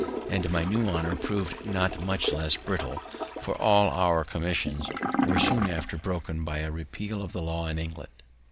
And my new honour proved not much less brittle; for all our commissions were soon after broken by a repeal of the law in England.